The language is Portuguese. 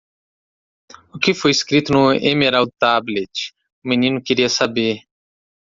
"O que foi escrito no Emerald Tablet?" o menino queria saber.